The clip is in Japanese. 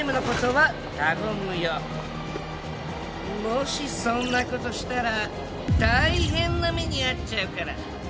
もしそんな事したら大変な目に遭っちゃうから。